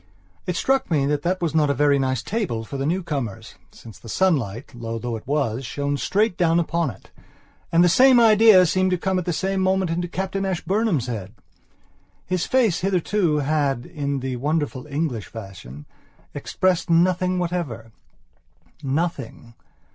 It struck me that that was not a very nice table for the newcomers, since the sunlight, low though it was, shone straight down upon it, and the same idea seemed to come at the same moment into Captain Ashburnham's head. His face hitherto had, in the wonderful English fashion, expressed nothing whatever. Nothing.